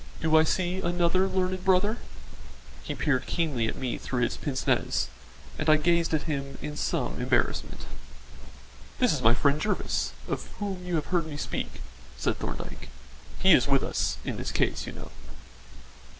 Do I see another learned brother?" He peered keenly at me through his pince nez, and I gazed at him in some embarrassment. "This is my friend Jervis, of whom you have heard me speak," said Thorndyke. "He is with us in this case, you know."